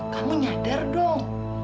kamu nyadar dong